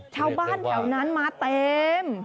ชาวบ้านแถวนั้นมาเต็ม